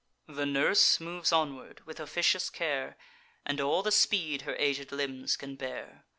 The nurse moves onward, with officious care, And all the speed her aged limbs can bear.